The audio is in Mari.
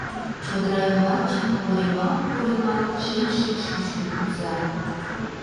Чодыра ӱмбачын, коремалт-коремалт, шем шикш кӱшкӧ кӱза.